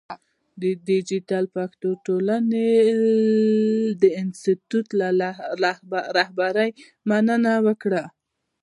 د دیجیټل پښتو ټولنې د انسټیټوت له رهبرۍ مننه وکړه.